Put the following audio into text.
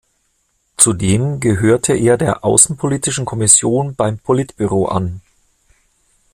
Zudem gehörte er der "Außenpolitischen Kommission beim Politbüro" an.